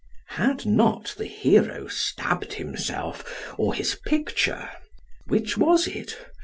Had not the hero stabbed himself, or his picture (which was it?)